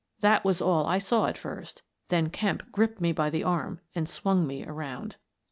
That was all I saw at first. Then Kemp gripped me by the arm and swung me round.